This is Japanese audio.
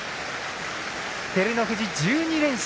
照ノ富士、１２連勝。